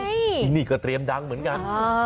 ที่นี่ก็เตรียมดังเหมือนกัน